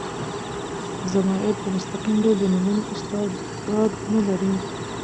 ضمایر په مستقیم ډول د نومونو استعداد نه لري.